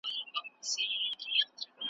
پر غزل د جهاني به له ربابه نغمې اوري .